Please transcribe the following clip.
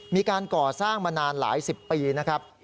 มีการก่อสร้างมานานหลายสิบปีนะครับ